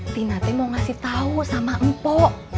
tina teh mau ngasih tau sama mpo